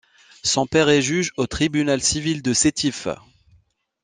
Son père est juge au tribunal civil de Sétif.